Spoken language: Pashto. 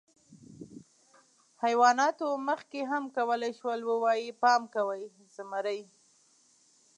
حیواناتو مخکې هم کولی شول، ووایي: «پام کوئ، زمری!».